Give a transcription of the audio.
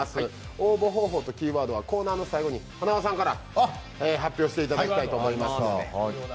応募方法とキーワードはコーナーの最後に塙さんから発表してもらいます。